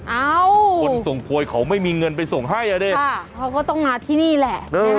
คนส่งโพยเขาไม่มีเงินไปส่งให้อ่ะดิเขาก็ต้องมาที่นี่แหละ